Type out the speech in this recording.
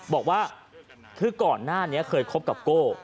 บอกว่าคือก่อนหน้านี้เคยคบกับโก้